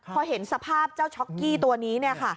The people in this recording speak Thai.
พอเห็นสภาพเจ้าช็อกกี้ตัวนี้เนี่ยค่ะ